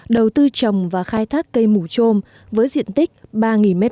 đầu tư trồng và khai thác cây mủ trôm với diện tích ba m hai